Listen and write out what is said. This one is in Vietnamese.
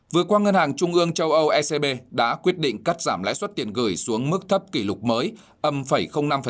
vừa qua ngân hàng trung ương châu âu ecb đã quyết định cắt giảm lãi suất tiền gửi xuống mức thấp kỷ lục mới năm